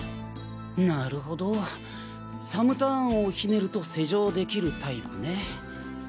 なるほどサムターンをひねると施錠できるタイプね。